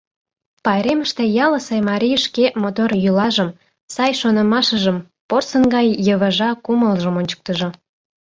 Пайремыште ялысе марий шке мотор йӱлажым, сай шонымашыжым, порсын гай йывыжа кумылжым ончыктыжо.